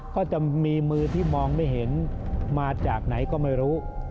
ก็จะมีมือที่มองไม่เห็นมาจากไหนก็ไม่รู้